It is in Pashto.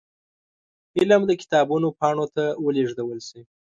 علم د کتابونو پاڼو ته ولېږدول شي.